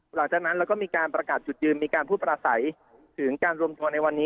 หลังจากนั้นแล้วก็มีการประกาศจุดยืนมีการพูดประสัยถึงการรวมตัวในวันนี้